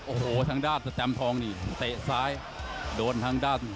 โอ้โหทางด้านจครีมร้อยนี่